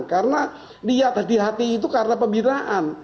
karena lihat hati hati itu karena pembinaan